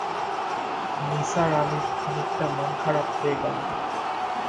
নিসার আলির খানিকটা মন-খারাপ হয়ে গেল।